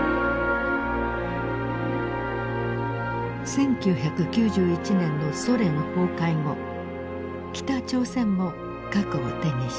１９９１年のソ連崩壊後北朝鮮も核を手にした。